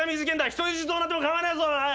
人質どうなってもかまわねえぞおい！